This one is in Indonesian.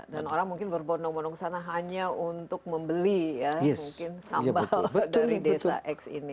dan orang mungkin berbonong bonong ke sana hanya untuk membeli ya mungkin sambal dari desa x ini